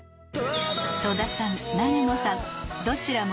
戸田さん永野さん